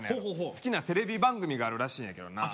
好きなテレビ番組があるらしいんやけどなあ